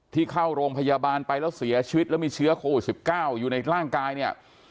ที่เข้าโรงพยาบาลไปแล้วเสียชีวิตแล้วมีเชื้อโควิด๑๙อยู่ในร่างกายเนี่ย